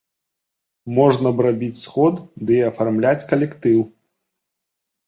Можна б рабіць сход ды і афармляць калектыў.